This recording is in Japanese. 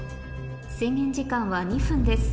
制限時間は２分です